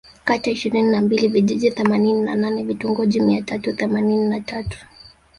Kata ishirini na mbili Vijiji themanini na nane Vitongoji mia tatu themanini na tatu